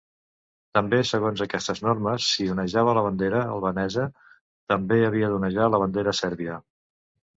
També segons aquestes normes, si onejava la bandera albanesa, també havia d'onejar la bandera sèrbia.